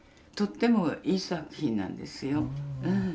とってもいい作品なんですよ。